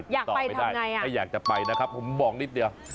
อยากไปทำยังไงนะครับถ้าอยากจะไปนะครับผมบอกนิดเดี๋ยว